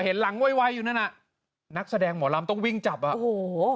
เห็นหลังไวอยู่นั่นอ่ะนักแสดงหมอลำต้องวิ่งจับอ่ะโอ้โห